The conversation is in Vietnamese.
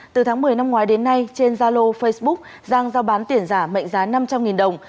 từ tháng một mươi năm ngoái đến nay trên gia lô facebook giang giao bán tiền giả mệnh giá năm trăm linh đồng